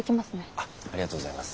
ありがとうございます。